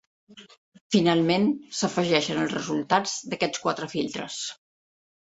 Finalment, s'afegeixen els resultats d'aquests quatre filtres.